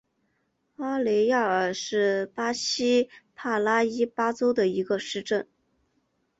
阿雷亚尔是巴西帕拉伊巴州的一个市镇。